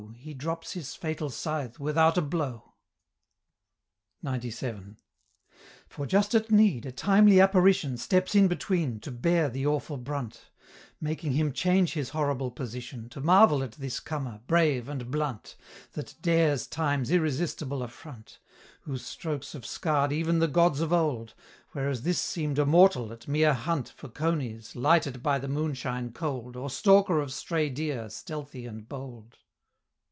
He drops his fatal scythe without a blow! XCVII. For, just at need, a timely Apparition Steps in between, to bear the awful brunt; Making him change his horrible position, To marvel at this comer, brave and blunt, That dares Time's irresistible affront, Whose strokes have scarr'd even the gods of old; Whereas this seem'd a mortal, at mere hunt For coneys, lighted by the moonshine cold, Or stalker of stray deer, stealthy and bold.